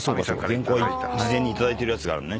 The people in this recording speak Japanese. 原稿は事前に頂いてるやつがあるのね。